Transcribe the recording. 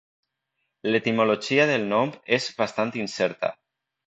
L'etimologia del nom és bastant incerta.